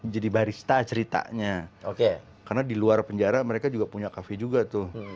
jadi barista ceritanya karena di luar penjara mereka juga punya kafe juga tuh